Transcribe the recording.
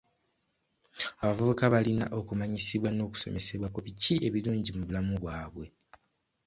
Abavubuka balina okumanyisibwa n'okusomesebwa ku biki ebirungi mu bulamu bwabwe.